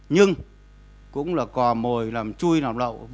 nhưng cũng là cò mồi làm chui nọc lậu